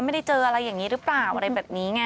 ไม่ได้เจออะไรอย่างนี้หรือเปล่าอะไรแบบนี้ไง